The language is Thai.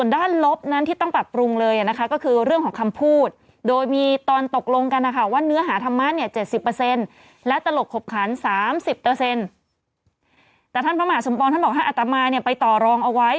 แต่ท่านพระมหาศัลปรรณ์ท่านบอกว่าเอาตะมายไปต่อรองเอาไว้